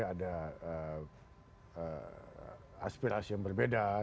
ada aspirasi yang berbeda